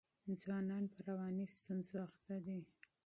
ځوانان په رواني ستونزو اخته دي.